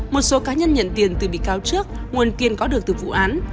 một số cá nhân nhận tiền từ bị cáo trước nguồn tiền có được từ vụ án